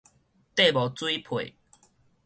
綴無水沫